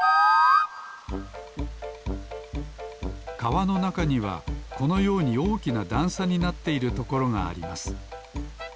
かわのなかにはこのようにおおきなだんさになっているところがあります。